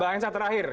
bahan yang terakhir